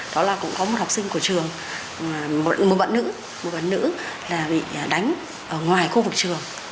đó là cũng có một học sinh của trường một bạn nữ một bạn nữ là bị đánh ở ngoài khu vực trường